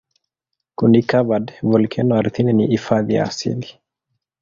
Kuni-covered volkeno ardhini ni hifadhi ya asili.